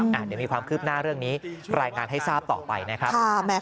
เดี๋ยวมีความคืบหน้าเรื่องนี้รายงานให้ทราบต่อไปนะครับ